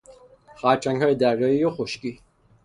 خرچنگهای دریایی و خشکی